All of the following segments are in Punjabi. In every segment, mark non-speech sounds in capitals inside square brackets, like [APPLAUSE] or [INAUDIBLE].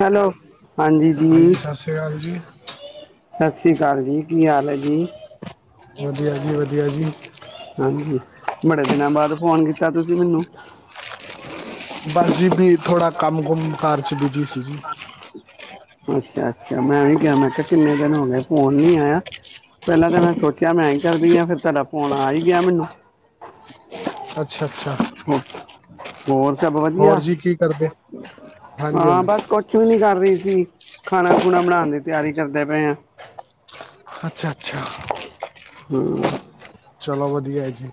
ਹੈਲੋ, ਹਾਂਜੀ ਜੀ। ਸਤਿ ਸ਼੍ਰੀ ਅਕਾਲ ਜੀ ਸਤਿ ਸ੍ਰੀ ਅਕਾਲ ਜੀ ਕੀ ਹਾਲ ਹੈ ਜੀ। ਵਧੀਆ ਜੀ ਵਧੀਆ ਜੀ। ਹਾਂਜੀ ਬੜੇ ਦਿਨਾਂ ਬਾਅਦ ਫੋਨ ਕੀਤਾ ਤੁਸੀਂ ਮੈਨੂੰ। ਬਸ ਜੀ ਵੀ ਥੋੜਾ ਕੰਮ ਕੁੁੰਮ ਘਰ ਚ ਬਿਜੀ ਸੀ ਗੀ ਅੱਛਾ ਅੱਛਾ, ਮੈਂ ਵੀ ਕਿਆ, ਮੈਂ ਕਿਆ ਕਿੰਨੇ ਦਿਨ ਹੋ ਗੇ ਫੋਨ ਨੀਂ ਆਇਆ। ਪੈਲਾਂ ਤਾਂ ਮੈਂ ਸੋਚਿਆ ਮੈਂ ਕਰਦੀ ਆਂ, ਫਿਰ ਤੁਆਡਾ ਫੋਨ ਆ ਈ ਗਿਆ ਮੈਨੂੰ। ਅੱਛਾ ਅੱਛਾ। ਹੋ ਹੋਰ ਸਭ ਵਧੀਆ ਹੋਰ ਜੀ ਕੀ ਕਰਦੇ। ਹਾਂਜੀ ਹਾਂ ਹਾਂਜੀ। ਬਸ ਕੁਛ ਵੀ ਨੀ ਕਰ ਰੀ ਸੀ, ਖਾਣਾ-ਖੁਣਾ ਬਣਾਣ ਦੀ ਤਿਆਰੀ ਕਰਦੇ ਪਏ ਆਂ। ਅੱਛਾ, ਅੱਛਾ। ਹਂ। ਚਲੋ ਵਧੀਆ ਐ ਜੀ।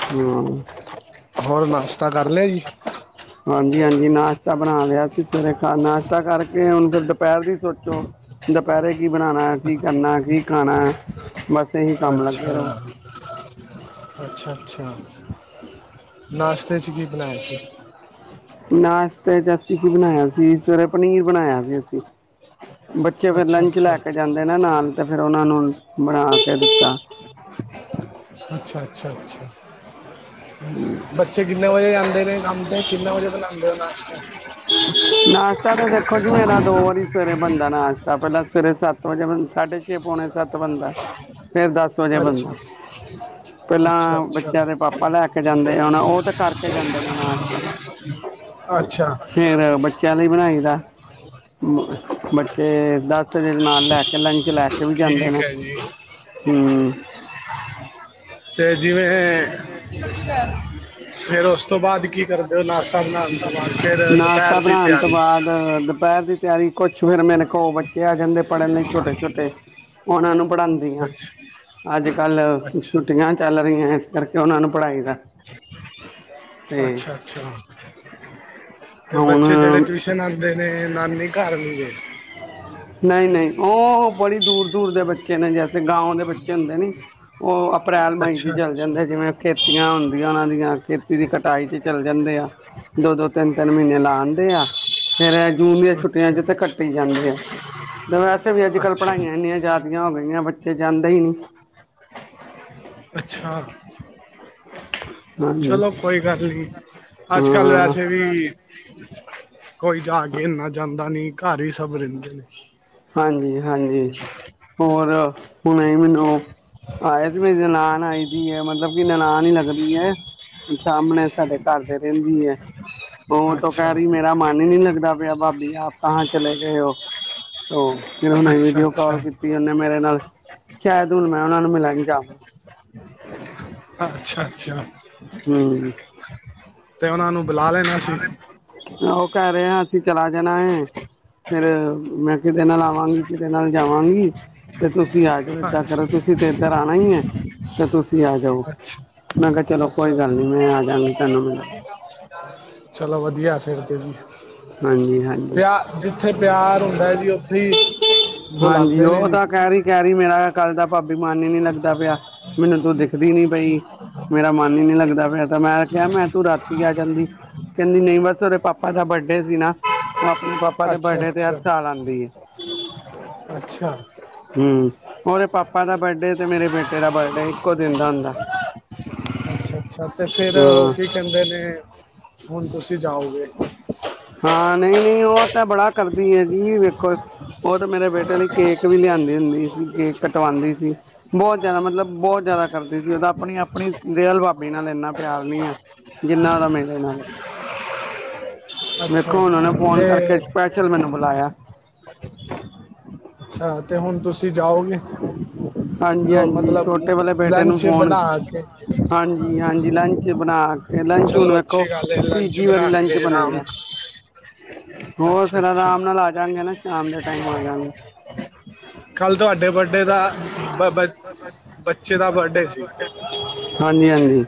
ਹਂ। ਹੋਰ ਨਾਸ਼ਤਾ ਕਰ ਲਿਆ ਜੀ। ਹਾਂਜੀ ਹਾਂਜੀ, ਨਾਸ਼ਤਾ ਬਣਾ ਲਿਆ ਸੀ ਸਵੇਰੇ ਖਾ ਨਾਸ਼ਤਾ ਕਰਕੇ ਹੁਣ ਫਿਰ ਦੁਪਹਿਰ ਦੀ ਸੋਚੋ। ਦੁਪਹਿਰੇ ਕੀ ਬਣਾਣਾ, ਕੀ ਕਰਨਾ, ਕੀ ਖਾਣਾ। ਬਸ ਇਹੀ ਕੰਮ ਲੱਗੇ ਅੱਛਾ, ਰਹੋ ਅੱਛਾ ਅੱਛਾ। [INAUDIBLE] ਨਾਸ਼ਤੇ ਚ ਕੀ ਬਣਾਇਆ ਸੀ। ਨਾਸ਼ਤੇ ਚ ਅਸੀਂ ਕੀ ਬਣਾਇਆ ਸੀ, ਸਵੇਰੇ ਪਨੀਰ ਬਣਾਇਆ ਸੀ ਅਸੀਂ। ਬੱਚੇ ਫਿਰ ਅੱਛਾ ਲੰਚ ਲੈ ਅੱਛਾ ਕੇ ਜਾਂਦੇ ਨਾਂ ਨਾਲ ਤੇ ਫਿਰ ਓਨਾਂ ਨੂੰ ਬਣਾ ਕੇ ਦਿੱਤਾ। ਅੱਛਾ, ਅੱਛਾ, ਅੱਛਾ। ਹਂ। ਬੱਚੇ ਕਿੰਨੇ ਵਜੇ ਜਾਂਦੇ ਨੇ ਕੰਮ ਤੇ, ਕਿੰਨੇ ਵਜੇ ਬਣਾਂਦੇ ਓ ਨਾਸ਼ਤਾ। ਨਾਸ਼ਤਾ ਤਾਂ ਦੇਖੋ ਜੀ, ਮੇਰਾ ਦੋ ਵਾਰੀ ਸਵੇਰੇ ਬਣਦਾ ਨਾਸ਼ਤਾ, ਪੈਲਾਂ ਸਵੇਰੇ ਸੱਤ ਵਜੇ ਬਣ ਸਾਢੇ ਪੌਣੇ ਸੱਤ ਬਣਦਾ। ਅੱਛਾ। ਅੱਛਾ, ਪਹਿਲਾਂ ਅੱਛਾ। ਬੱਚਿਆਂ ਦੇ ਪਾਪਾ ਲੈ ਕੇ ਜਾਂਦੇ ਆ, ਹੁਣ ਉਹ ਤਾਂ ਕਰਕੇ ਜਾਂਦੇ ਨੇ ਨਾਸ਼ਤਾ ਅੱਛਾ। ਫਿਰ ਬੱਚਿਆਂ ਲਈ ਬਣਾਈ ਦਾ, ਬੱਚੇ ਦਸ ਦਿ ਨਾਲ ਲੈ ਕੇ ਲੰਚ ਲੈ ਕੇ। ਥੇ ਵੀ ਜਾਂਦੇ ਠੀਕ ਨੇਂ, ਹੈ ਜੀ ਹਂ। ਤੇ ਜਿਵੇਂ ਫੇਰ ਉਸ ਤੋਂ ਬਾਅਦ ਕੀ ਕਰਦੇ ਓ, ਨਾਸ਼ਤਾ ਬਣਾਣ ਤੋਂ ਬਾਅਦ ਫੇਰ ਦੁਪਹਿਰ ਦੀ ਤਿਆਰੀ। ਅ ਦੁਪਹਿਰ ਦੀ ਤਿਆਰੀ, ਕੁਛ ਫਿਰ ਮੇਰੇ ਕੋੋ ਬੱਚੇ ਆ ਜਾਂਦੇ ਪੜ੍ਹਨ ਲਈ ਛੋਟੇ-ਛੋਟੇ ਓਨ੍ਹਾਂ ਨੂੰ ਪੜ੍ਹਾਂਦੀ ਆਂ ਅੱਛਾ ਅੱਜ-ਕਲ ਅੱਛਾ ਛੁੱਟੀਆਂ ਚੱਲ ਰਈਆਂ ਇਸ ਕਰਕੇ ਓਨਾਂ ਨੂੰ ਪੜ੍ਹਾਈ ਦਾ। ਅੱਛਾ ਅੱਛਾ। ਤੇ ਬੱਚੇ ਜੇੜੇ ਹੁਣ ਟਿਵੀਸ਼ਨ ਆਂਦੇ ਨੇ, ਨਾਨੀ ਘਰ ਨੀਂ ਗੇ। ਨਈਂ ਨਈਂ, ਓਂ ਬੜੀ ਦੂਰ-ਦੂਰ ਦੇ ਬੱਚੇ ਨੇ, ਜੈਸੇ ਗਾਂਓ ਦੇ ਬੱਚੇ ਹੁੰਦੇ ਨੀਂ। ਓ ਅਪ੍ਰੈਲ ਮਈ 'ਚ ਅੱਛਾ ਚੱਲ ਅੱਛਾ ਜਾਂਦੇ ਜਿਵੇਂ ਖੇਤੀਆਂ ਹੁੰਦੀਆਂ ਓਨਾਂ ਦੀਆਂ, ਖੇਤੀ ਦੀ ਕਟਾਈ ਚ ਚੱਲ ਜਾਂਦੇ ਆ। ਦੋ-ਦੋ, ਤਿੰਨ-ਤਿੰਨ ਮੀਂਨੇ ਲਾ ਆਂਦੇ ਆ, ਫੇਰ ਏ ਜੂਨ ਦੀਆਂ ਛੁ ਛੁੱਟੀਆਂ ਅੱਛਾ ਚ ਤੇ ਕੱਟੀ ਈ ਜਾਂਦੇ ਆ ਤੇ ਵੈਸੇ ਵੀ ਅੱਜ-ਕਲ ਅੱਛਾ ਪੜ੍ਹਾਈਆਂ ਇੰਨੀਆਂ ਜ਼ਿਆ ਹੋ ਗਈਆਂ ਬੱਚੇ ਜਾਂਦੇ ਈ ਨੀਂ। ਅੱਛਾ। ਹਾਂਜੀ ਚਲੋ ਕੋਈ ਗੱਲ ਨੀਂ, ਅੱਜ-ਕਲ ਹਾਂ ਵੈਸੇ ਵੀ ਕੋਈ ਜਾ ਕੇ ਇੰਨਾ ਜਾਂਦਾ ਨੀਂ, ਘਰ ਈ ਸਭ ਰੇਂਦੇ। ਹਾਂਜੀ ਹਾਂਜੀ, ਹੋਰ ਹੁਣੇ ਈ ਮੈਨੂੰ ਹਾਂ, ਏਸ ਮੀਂਨੇ ਨਨਾਨ ਆਈ ਦੀ ਐ, ਮਤਲਬ ਕਿ ਨਨਾਨ ਈ ਲਗਦੀ ਐ। ਸਾਹਮਣੇ ਸਾਡੇ ਘਰ ਦੇ ਰੈਂਦੀ ਏ। ਓ ਤਾਂ ਅੱਛਾ ਕੈ ਰਈ ਮੇਰਾ ਮਨ ਹੀ ਨਈ ਲੱਗਦਾ ਪਿਆ ਭਾਬੀ ਆਪ ਕਹਾਂ ਚਲੇ ਗਏ ਹੋ। ਫਿਰ ਹੁਣ ਅੱਛਾ ਵੀਡੀਓ ਅੱਛਾ ਕਾੱਲ ਕੀਤੀ ਉਹਨੇ ਮੇਰੇ ਨਾਲ ਸ਼ਾਇਦ ਹੁਣ ਮੈਂ ਉਨਾਂ ਨੂੰ ਮਿਲਨ ਜਾਵਾਂ। ਅੱਛਾ-ਅੱਛਾ ਹੂੰ ਤੇ ਉਨਾਂ ਨੂੰ ਬੁਲਾ ਲੈਣਾ ਸੀ। ਓ ਕੈ ਰਿਆ ਅਸੀਂ ਚਲਾ ਜਾਣਾ ਏ। ਫਿਰ ਮੈਂ ਕਿਦੇ ਨਾਲ ਆਵਾਂਗੀ ਕਿਦੇ ਨਾਲ ਜਾਵਾਂਗੀ। ਤੇ ਤੁਸੀਂ ਆ ਜਾਓ ਏਦਾਂ ਕਰੋ ਅੱਛਾ ਤੁਸੀਂ ਤੇ ਇਧਰ ਆਣਾ ਈ ਏ ਤੇ ਤੁਸੀਂ ਆ ਜਾਓ। ਅੱਛਾ ਮੈਂ ਕਿਆ ਚਲੋ ਅੱਛਾ ਕੋਈ ਗੱਲ ਨੀ ਮੈਂ ਆ ਜਾਗੀ ਤੁਹਾਨੂੰ ਮਿਲਨ ਚਲੋ ਵਧੀਆ ਫਿਰ ਤੇ ਜੀ। ਹਾਂਜੀ ਹਾਂਜੀ ਪਿਆ ਜਿੱਥੇ ਪਿਆਰ ਹੁੰਦਾ ਐ ਜੀ ਉੱਥੇ ਈ ਬੁਲਾਉਂਦੇ ਨੇ ਜੀ। ਕੈ ਰੀ ਮੇਰਾ ਕੱਲ ਦਾ ਭਾਬੀ ਮਨ ਈ ਨੀ ਲੱਗਦਾ ਪਿਆ ਮੈਨੂੰ ਤੂੰ ਦਿੱਖਦੀ ਨੀ ਪਈ। ਮੇਰਾ ਮਨ ਈ ਨੀ ਲੱਗਦਾ ਪਿਆ ਤਾਂ ਮੈਂ ਕਿਆ ਮੈਂ ਤੂੰ ਰਾਤੀ ਆ ਜਾਂਦੀ ਨਈ ਬਸ ਉਦੇ ਪਾਪਾ ਪਾ ਦਾ ਬਰਡੇ ਸੀ ਨਾ। ਓ ਆਪਣੇ ਪਾਪਾ ਦੇ ਅੱਛਾ ਬਰਡੇ ਤੇ ਹਰ ਅੱਛਾ ਸਾਲ ਆਂਦੀ ਏ। ਅੱਛਾ ਹੂੰ ਉਦੇ ਪਾਪਾ ਦਾ ਬਰਡੇ ਤੇ ਮੇਰੇ ਬੇਟੇ ਦਾ ਬਰਡੇ ਇੱਕੋ ਦਿਨ ਦਾ ਹੁੰਦਾ। ਅੱਛਾ-ਅੱਛਾ ਤੇ ਫਿਰ ਓ ਹਾਂ ਕੀ ਕੈਂਦੇ ਨੇ ਹੁਣ ਤੁਸੀਂ ਜਾਓਗੇ। ਹਾਂ ਨਈ-ਨਈ ਓ ਤਾਂ ਬੜਾ ਕਰਦੀ ਏ ਜੀ ਵੇਖੋ ਓ ਤੇ ਮੇਰੇ ਬੇਟੇ ਲਈ ਕੇਕ ਵੀ ਲਿਆਂਦੀ ਹੁੰਦੀ ਸੀ ਕੇਕ ਕਟਵਾਂਦੀ ਸੀ। ਬੋਤ ਜਾਦਾ ਮਤਲਬ ਬੋਤ ਜਾਦਾ ਕਰਦੀ ਸੀ ਉਦਾ ਆਪਣੀ-ਆਪਣੀ ਰੀਅਲ ਭਾਬੀ ਨਾਲ ਇੰਨਾ ਪਿਆਰ ਨਈ ਐ। ਜਿੰਨਾ ਉਦਾ ਮੇਰੇ ਨਾਲ ਐ। ਅੱਛਾ ਵੇਖੋ ਅੱਛਾ ਉਨੇ ਫੋਨ ਤੇ ਕਰਕੇ ਸਪੈਸ਼ਲ ਮੈਨੂੰ ਬੁਲਾਇਆ। ਅੱਛਾ ਤੇ ਹੁਣ ਤੁਸੀਂ ਜਾਓਗੇ। ਜਾਉ। ਜੋ ਹਾਂਜੀ-ਹਾਂਜੀ ਮਤਲਬ ਛੋਟੇ ਵਾਲੇ ਬੇਟੇ ਨੂੰ ਲੰਚ ਫੋਨ ਬਣਾ ਕੇ ਹਾਂਜੀ- ਹਾਂਜੀ ਲੰਚ ਬਣਾ ਲੰਚ ਹੁਣ ਚਲੋ ਵੇਖੋ ਅੱਛੀ ਗੱਲ ਹੈ ਲੰਚ ਤੀਜੀ ਵਰੀ ਬਣਾ ਲੰਚ ਕੇ ਆਰਾਮ ਬਣੇਗਾ। [INAUDIBLE] ਹੋਰ ਅੱਛਾ ਫਿਰ ਅੱਛਾ ਆਰਾਮ ਨਾਲ ਆ ਜਾਗੇ ਨਾ ਸ਼ਾਮ ਦੇ ਟਾਈਮ ਆ ਜਾਂਗੇ। ਕੱਲ ਤੁਹਾਡੇ ਬਰਡੇ ਦਾ ਬ ਬ ਬੱਚੇ ਦਾ ਬਰਡੇ ਸੀ। ਹਾਂਜੀ-ਹਾਂਜੀ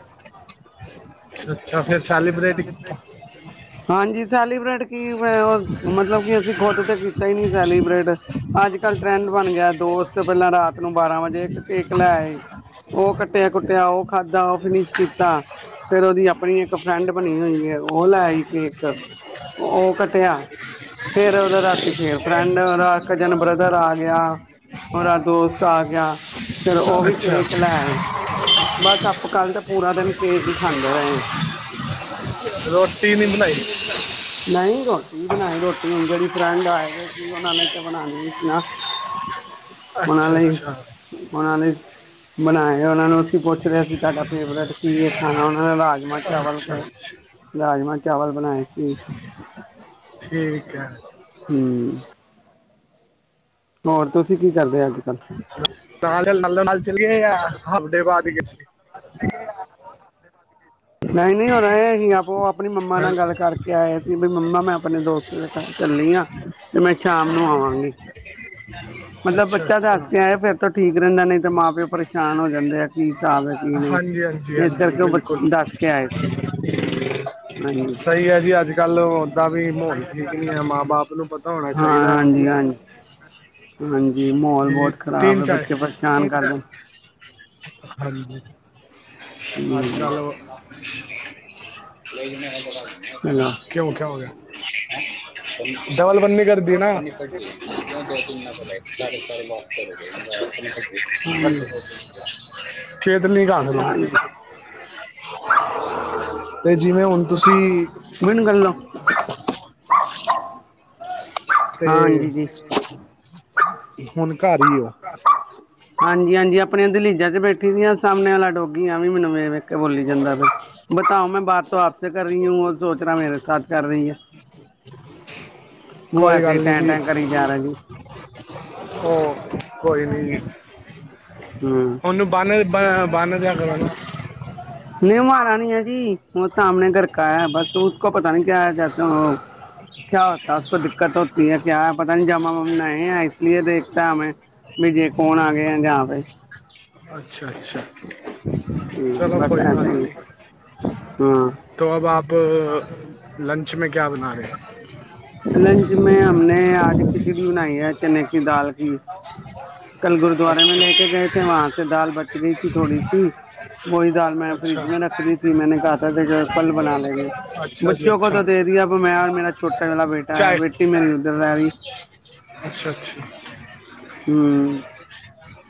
ਅੱਛਾ-ਅੱਛਾ ਫਿਰ ਬਰਡੇ ਸੈਲੀਬ੍ਰੇਟ ਸੈਲੀਬਰੇਟ ਕੀਤਾ ਹਾਂਜੀ ਸੈਲੀਬ੍ਰਟ ਕੀ ਮਤਲਬ ਕਿ ਅਸੀਂ ਖੁਦ ਤੇ ਕੀਤਾ ਹੀ ਨਈ ਸੈਲੀਬ੍ਰਟ ਅੱਜ ਕੱਲ ਟਰੈਂਡ ਬਣ ਗਿਆ ਦੋਸਤ ਪੈਲਾਂ ਰਾਤ ਨੂੰ ਬਾਰਾਂ ਵਜੇ ਕੇਕ ਲੈ ਆਏ ਕੱਟਿਆ ਕੁੱਟਿਆ ਓ ਖਾਧਾ ਓ ਫਿਨਿਸ਼ ਕੀਤਾ ਫਿਰ ਉਦੀ ਅਪ ਆਪਣੀ ਇੱਕ ਫਰੈਂਡ ਬਣੀ ਹੋਈ ਏ ਓ ਲੈ ਆਈ ਕੇਕ ਓ ਕੱਟਿਆ ਫਿਰ ਉਦਾ ਰਾਤੀ ਫਿਰ ਫਰੈਂਡ ਉਦਾ ਕਜਨ ਬ੍ਰਦਰ ਆ ਗਿਆ। ਉਦਾ ਦੋਸਤ ਆ ਗਿਆ ਫਿਰ ਓ ਵੀ ਅੱਛਾ ਕੇਕ ਲੈ ਆਏ। ਬਸ ਆਪਾਂ ਕੱਲ ਤਾਂ ਪੂਰਾ ਦਿਨ ਕੇਕ ਈ ਖਾਂਦੇ ਰਏ ਆਂ। ਰੋਟੀ ਨੀ ਬਣਾਈ। ਨਈ ਰੋਟੀ ਬਣਾਈ ਰੋਟੀ ਹੁਣ ਜੇੜੀ ਫਰੈਂਡ ਆਏ ਦੇ ਸੀ ਉਨਾ ਲਈ ਤੇ ਬਣਾਣੀ ਈ ਸੀ ਨਾ। [INAUDIBLE] ਉਨਾਂ ਅੱਛਾ ਲਈ ਅੱਛਾ ਉਨਾਂ ਲਈ ਬਣਾਏ ਉਨਾਂ ਨੂੰ ਅਸੀਂ ਪੁੱਛ ਲਿਆ ਸੀ ਤੁਹਾਡਾ ਫੇਵਰੇਟ ਕੀ ਏ ਖਾਣਾ ਉਨਾਂ ਨੇ ਰਾਜਮਾਂ ਚਾਵਲ ਅੱਛਾ ਕਹੇ, ਅੱਛਾ ਰਾਜਮਾਹ ਚਾਵਲ ਬਣਾਏ ਸੀ। ਠੀਕ ਹੈ। ਹਮ। ਹੋਰ, ਤੁਸੀਂ ਕੀ ਕਰਦੇ ਅੱਜ ਕੱਲ੍ਹ? ਤਾਂ ਨ ਨਾਲ ਚੱਲੀਏ ਯਾਰ, ਹਫਤੇ ਬਾਅਦ ਹੀ [INAUDIBLE] ਨਹੀਂ ਨਹੀਂ, ਹੋ ਰਿਹਾ। ਆਪ, ਉਹ ਆਪਣੀ ਮੰਮਾ ਮੈਂ ਨਾਲ ਗੱਲ ਕਰਕੇ ਆਏ ਸੀ। ਬਈ ਮੰਮਾ, ਮੈਂ ਆਪਣੇ ਦੋਸਤ ਦੇ ਘਰ ਚੱਲੀ ਹ। ਤੇ ਮੈਂ ਸ਼ਾਮ ਨੂੰ ਆਵਾਂਗੀ। ਮਤਲਬ ਅੱਛਾ, ਬੱਚਾ ਦੱਸ ਅੱਛਾ। ਫਿਰ ਤੋਂ ਠੀਕ ਰਹਿੰਦਾ, ਨਹੀਂ ਤੇ ਮਾਂ ਪਿਓ ਪਰੇਸ਼ਾਨ ਹੋ ਜਾਂਦੇ ਆ, ਕੀ ਹਿਸਾਬ ਹੈ ਕੀ ਨਹੀਂ, ਹਾਂਜੀ ਇਸ ਕਰਕੇ ਉਹ ਦੱਸ ਕੇ ਆਏ ਸੀ। ਹ- ਹਾਂਜੀ ਸਹੀ ਹੈ ਜੀ, ਅੱਜ ਕੱਲ ਓਦਾਂ ਵੀ ਮਾਹੌਲ ਠੀਕ ਨੀ ਹੈ। ਮਾਂ ਬਾਪ ਨੂੰ ਪਤਾ ਹੋਣਾ ਚਾਹੀਦਾ। ਹ ਹਾਂਜੀ-ਹਾਂਜੀ, ਮਾਹਲ ਜੀ ਬਹੁਤ ਖ਼ਰਾਬ ਤਿੰਨ ਹੈ। ਚਾਰ ਬੱਚੇ ਪਰੇਸ਼ਾਨ ਕਰ ਲਣ ਹਾਂਜੀ, ਅੱਜ ਹੂੰ ਕੱਲ ਚਲੋ ਕਿਉਂ ਕ ਹੋ ਗਿਆ? ਡਬਲ ਬੰਨੀ, ਕਰਦੀ ਨਾ। ਦੋ ਤਿੰ ਦਾ ਬਤਾ, ਸਾਰੇ-ਸਾਰੇ ਬੱਸ ਫ ਹਾਂਜੀ ਖੇਡ ਲੀ ਰੰਗ, ਹਾਂਜੀ ਤੇ ਜਿਵੇਂ ਹੁਣ ਤੁਸੀਂ ਮੈਨੂੰ ਗੱਲਓ ਤੇ, ਹਾਂਜੀ ਜੀ ਹੁਣ ਘਰ ਹੀ ਉਹ? ਹਾਂਜੀ ਹਾਂਜੀ, ਆਪਣੀਆਂ ਦਲੀਜਾਂ 'ਚ ਬੈਠੀ ਦੀ ਆ, ਸਾਹਮਣੇ ਵਾਲਾ ਡੋਗੀ ਆ ਵੀ ਮੈਨੂੰ ਵੇਖ ਕੇ ਬੋਲੀ ਜਾਂਦਾ ਬ, ਬਤਾਓ ਮੈਂ ਬਾਤ ਤੋਂ ਆਪ ਸੇਂ ਕਰ ਰਹੀ ਹੂੰ, ਵੋ ਸੋਚਰਾ ਮੇਰੇ ਸਾ ਕਰ ਰਹੀ ਹੈ। ਵੋਂ ਕੋਈ ਐਸੇ ਗੱਲ ਨੀ ਟੈਂ ਟੈਂ, ਕਰੀ ਜਾ ਰਿਹਾ ਜੀ। ੳ, ਕੋਈ ਨਹੀਂ। ਉਹਨੂੰ ਬਾਹ, ਬਾਹਾਨ ਦਿਆ ਕਰੋ ਨਾ। ਨਹੀਂ ਮਾਰਾ ਨੀ ਹੈ ਜੀ, ਉਹ ਸਮਣੇ ਗਰਕਾ, ਬਸ ਉਹ ਕੋ ਪਤਾ ਨਹੀਂ ਕਿਆ 'ਚ ਕਿਆ ਹੋਦਾ ਉਸ ਤੋਂ ਦਿੱਕਤ ਹੋਤੀ ਹੈ ਕਿਆ ਹੈ, ਪਤਾ ਨੀ ਹਮ ਨਯੇ ਹੈ। ਦੇਖਤਾ ਹਮੈਂ, ਵੀ ਜੇ ਕੌਣ ਆ ਗਿਆ ਜਾ ਪੇ। ਅੱਛਾ, ਅੱਛਾ। ਚਲੋ ਕੋਈ ਬਾਤ ਨੀ, ਤੋ ਅਬ ਆਪ ਲੰਚ ਮੈਂ ਕਿਆ ਬਣਾ ਰਹੇ? ਲੰਚ ਮੈਂ ਹਮ ਨੇ ਆਜ, ਖਿਚੜੀ ਬਣਾਈ ਹੈ ਚਨੇ ਕੀ ਦਾਲ ਕੀ। ਕੱਲ ਗੁਰਦਆਰੇ ਮੈਂ ਲੈ ਕੇ ਗਏ ਥੇ, ਵਾਂ ਤੇ ਦਾਲ ਬਚ ਗਈ ਸੀ ਥੋੜੀ ਸੀ ਉਹੀ ਦਾਲ ਮੈਂ ਫਰਿਜ ਮ ਰੱਖਦੀ ਸੀ। ਮੈਨੇ ਕ ਤ ਕਲ ਬਣਾ ਲੈਂਗੇਂ। ਬੱਚੋ ਕੋ ਤਾਂ ਦੇ ਦਿਆ, ਅਬ ਮੈਂ ਮੇਰਾ ਛੋਟਾ ਬੇਟਾ ਆ, ਬੇਟੀ ਮੇਰੀ ਉਧਰ ਜਾ ਰਹੀ, ਹਮ।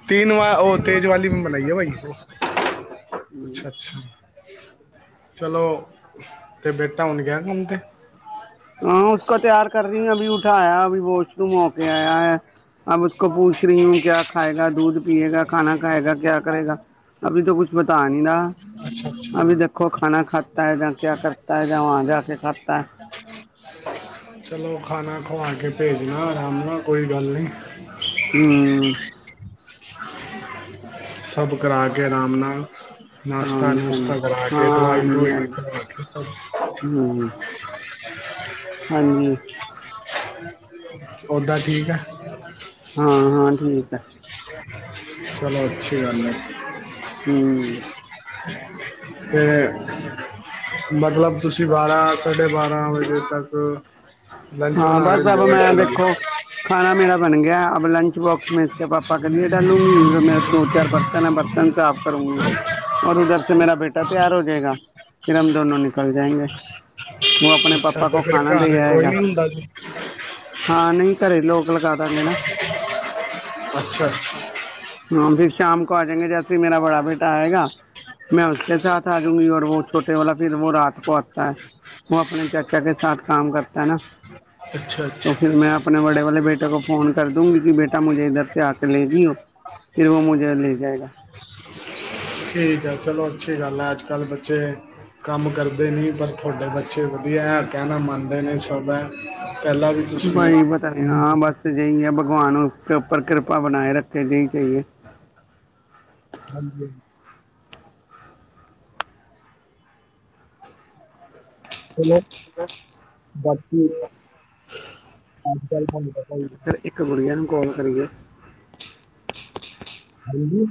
ਤੀਨ ਵ, ਉਹ ਤੇਜ ਵਾਲੀ ਮ ਬਨਾਈਯੋ ਬਾਈ, ਉਹ ਅੱਛਾ- ਅੱਛਾ। ਚਲੋ, ਤੇ ਬੇਟਾ ਹੁਣ ਗਿਆ ਕੰਮ ਤੇ? ਹਾਂ ਉਸਕ ਤਿਆਰ ਕਰ ਰਹੀ, ਅਭ ਉਠਾਆ, ਅਭੀ ਵਾਸ਼ਰੂਮ ਹੋ ਕੇ ਆਇਆ ਹੈ। ਅ ਉਸ ਕੋ ਪੁੂਛ ਰਹੀ ਹੂੰ ਕਿਆ ਖਾਏਗਾ, ਦੂਧ ਪੀਏਗਾ, ਖਾਨਾ ਖਾਏਗਾ, ਕਿਆ ਕਰੇਗਾ। ਅਭੀ ਤੋਂ ਕੁਛ ਬਤਾ ਨਹੀਂ ਰਹਾ। ਅੱਛਾ, ਅੱਛਾ। ਅਭੀ ਜੀ ਦੇਖੋ ਖਾਣਾ ਖਾਤਾ ਹੈ ਜਾਂ ਕਿਆ ਕਰਤਾ ਹੈ ਜਾਂ ਵਾਂ ਜਾ ਕੇ ਖਾਤਾ ਹੈ। ਚਲੋ ਖਾਣਾ ਖਵਾ ਕੇ ਭੇਜਣਾ ਆਰਾਮ ਨਾਲ ਕੋਈ ਗੱਲ ਨੀ। ਹੂੰ। ਸਭ ਕਰਾ ਕੇ ਆਰਾਮ ਨਾਲ ਨਾਸ਼ਤਾ-ਨੁਸ਼ਤਾ ਕਰਰਾ ਕੇ ਦਵਾਈ-ਦਵੁਈ ਦੇ ਕੇ ਸ ਹੂੰ ਹਾਂਜੀ। ਓਦਾਂ ਠੀਕ ਐ। [INAUDIBLE] ਹਾਂ-ਹਾਂ ਠੀਕ ਐ। [INAUDIBLE] ਚਲੋ ਅਛੀ ਗੱਲ ਐ। ਹੂੰ। ਤੇ ਮਤਲਬ ਤੁਸੀਂ ਬਾਰਾਂ ਸਾਢੇ ਬਾਰਾਂ ਵਜੇ ਤੱਕ ਲੰਚ ਬਣਾ ਲਿੰਦੇ ਓ ਇਕ ਵਾਰੀ। ਖਾਣਾ ਮੇਰਾ ਬਣ ਗਿਆ ਅਬ ਲੰਚ ਬੋਕਸ ਮੈਂ ਇਸਕੇ ਪਾਪਾ ਕਣੀ ਓ ਡਾਲੂੰਗੀ ਮੇਰੇ ਦੋ ਚਾਰ ਬਰ ਬਰਤਨ ਸਾਫ਼ ਕਰੂੰਗੀ ਔਰ ਉਧਰ ਸੇ ਮੇਰਾ ਬੇਟਾ ਤਿਆਰ ਹੋ ਜੇਗਾ ਫਿਰ ਹਮ ਦੋਨੋ ਨਿਕਲ ਜਾਏਗੇ। ਓ ਆਪਣੇ ਅੱਛਾ ਪਾਪਾ ਤੇ ਕੋ ਫਿਰ ਖਾਣਾ ਦੇ ਘਰ ਕੋਈ ਆਏਗਾ। ਨਹੀਂ ਹੁੰਦਾ ਜੀ ਹਾਂ ਨਈ ਘਰੇ ਲੋਕ ਲਗਾ ਦਾਂਗੇ ਨਾ। ਅੱਛਾ-ਅੱਛਾ। ਹਾਂ ਫਿਰ ਸ਼ਾਮ ਕੋ ਆ ਜਾਂਗੇ ਜੈਸੇ ਮੇਰਾ ਬੜਾ ਬੇਟਾ ਆਏਗਾ ਮੈਂ ਉਸਕੇ ਸਾਥ ਆਜਊਗੀ ਓਰ ਵੋ ਛੋਟੇ ਵਾਲਾ ਫਿਰ ਵੋ ਰਾਤ ਕੋ ਆਤਾ ਹੈ ਓ ਆਪਣੇ ਚਾਚਾ ਕੇ ਸਾਥ ਕਾਮ ਕਰਤਾ ਨਾ ਅੱਛਾ ਤਾਂ ਫਿਰ ਅੱਛਾ ਮੈਂ ਆਪ ਆਪਣੇ ਬੜੇ ਵਾਲੇ ਬੇਟੇ ਕੋ ਫੋਨ ਕਰ ਦੂੰਗੀ ਕੀ ਬੇਟਾ ਮੁਝੇ ਇਧਰ ਸੇ ਆ ਕੇ ਲੇਜੀਓ। ਫਿਰ ਵੋ ਮੁਝੇ ਲੇ ਜਾਏਗਾ। ਠੀਕ ਐ ਚਲੋ ਅੱਛੀ ਗੱਲ ਐ ਅੱਜ ਕੱਲ੍ਹ ਬੱਚੇ ਕੰਮ ਕਰਦੇ ਨੀ ਪਰ ਥੋਡੇ ਬੱਚੇ ਵਧੀਐ ਕੈਣਾ ਮੰਨਦੇ ਨੇ ਸਭ ਐ। ਬਾਈ ਪਤਾ ਨੀ ਹਾਂ ਬਸ ਅਜਿਈ ਐ ਭਗਵਾਨ ਉਸਦੇ ਉੱਪਰ ਕਿਰਪਾ ਬਣਾਏ ਰੱਖੇ ਜਈ ਚਈਏ। ਹਾਂਜੀ। ਚਲੋ। [INAUDIBLE] ਬਾਕੀ ਅੱਜ ਥੋਨੂੰ ਪਤਾ ਈ ਐ। ਇੱਕ ਗੁੱਡੀਆ ਨੂੰ ਕੋਲ ਕਰੀਐ। ਹਾਂਜੀ?